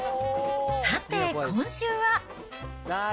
さて、今週は。